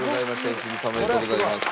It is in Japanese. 良純さんおめでとうございます。